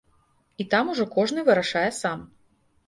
І там ужо кожны вырашае сам.